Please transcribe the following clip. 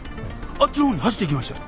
あっちの方に走っていきましたよ。